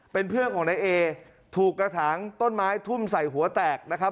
เป็นเพื่อนของนายเอถูกกระถางต้นไม้ทุ่มใส่หัวแตกนะครับ